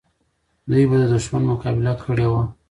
دوی به د دښمن مقابله کړې وه.